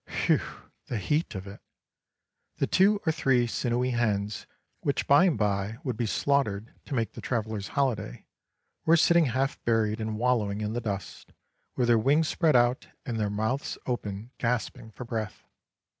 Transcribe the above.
Whew! the heat of it! The two or three sinewy hens, which by and by would be slaughtered to make the traveller's holiday, were sitting half buried and wallowing in the dust, with their wings spread out and their mouths open, gasping for breath.